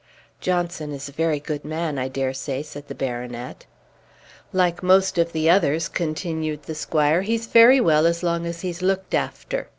"Johnson is a very good man, I dare say," said the baronet. "Like most of the others," continued the squire, "he's very well as long as he's looked after.